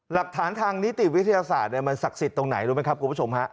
หลักฐานทางนิติวิทยาศาสตร์มันศักดิ์สิทธิ์ตรงไหนรู้ไหมครับคุณผู้ชมฮะ